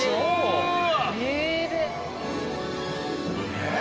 えっ？